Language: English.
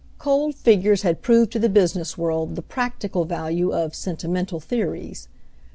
Cold figures had proved to the business world the "practical" value of "sentimental theories."